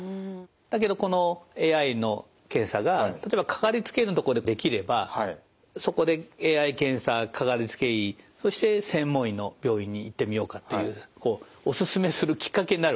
だけどこのＡＩの検査が例えば掛かりつけ医のところでできればそこでＡＩ検査掛かりつけ医そして専門医の病院に行ってみようかっていうこうお勧めするきっかけになるわけですよね。